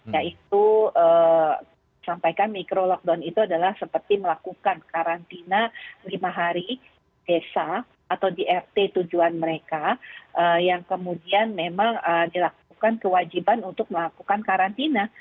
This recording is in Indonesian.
yaitu sampaikan mikro lockdown itu adalah seperti melakukan karantina lima hari desa atau di rt tujuan mereka yang kemudian memang dilakukan kewajiban untuk melakukan karantina